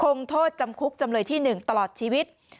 คงโทษจำคุกจำเลยที่๑ตลอดชีวิต